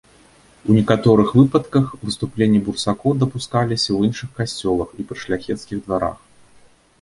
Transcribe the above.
У некаторых выпадках выступленні бурсакоў дапускаліся ў іншых касцёлах і пры шляхецкіх дварах.